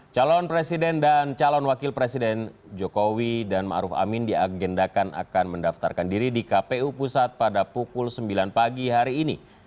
calon presiden dan calon wakil presiden jokowi dan ⁇ maruf ⁇ amin diagendakan akan mendaftarkan diri di kpu pusat pada pukul sembilan pagi hari ini